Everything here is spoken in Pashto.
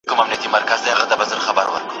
نې مني جاهل افغان ګوره چي لا څه کیږي